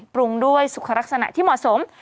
ปรุงด้วยสุขลักษณะที่เหมาะสม